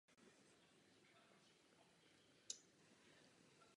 Založil také Muzeum hraček na Pražském Hradě a v Mnichově.